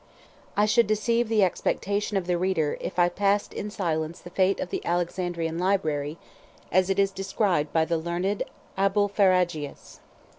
I should deceive the expectation of the reader, if I passed in silence the fate of the Alexandrian library, as it is described by the learned Abulpharagius.